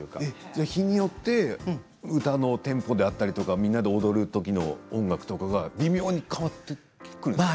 では日によって歌のテンポであったり、みんなで踊るときの音楽とかが微妙に変わってくるんですか。